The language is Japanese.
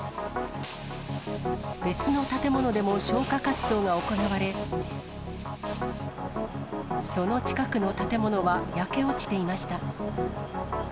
別の建物でも消火活動が行われ、その近くの建物は焼け落ちていました。